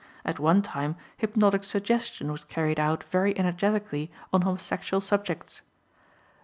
At one time hypnotic suggestion was carried out very energetically on homosexual subjects.